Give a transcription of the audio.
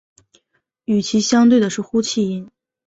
与其相对的是呼气音。